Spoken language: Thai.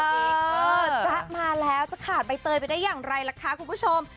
จ๊ะมาแล้วจะขาดใบเตยไปได้อย่างไรล่ะคะคุณผู้ชม